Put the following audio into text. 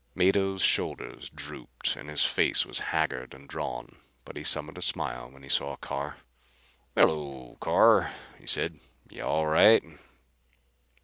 Mado's shoulders drooped and his face was haggard and drawn, but he summoned a smile when he saw Carr. "Hello, Carr," he said. "You all right?"